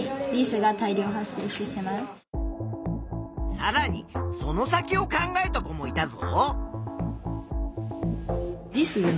さらにその先を考えた子もいたぞ。